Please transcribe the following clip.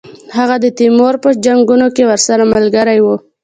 هغه د تیمور په جنګونو کې ورسره ملګری وو.